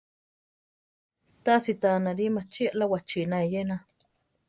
Tási ta anári machí aʼlá wachína iyéna.